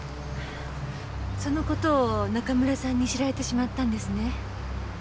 その事を中村さんに知られてしまったんですね？